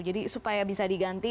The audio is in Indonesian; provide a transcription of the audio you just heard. jadi supaya bisa diganti